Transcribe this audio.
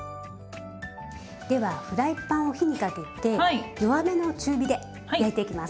ではフライパンを火にかけて弱めの中火で焼いていきます。